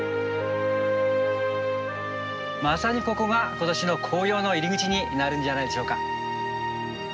まさにここが今年の紅葉の入り口になるんじゃないでしょうか。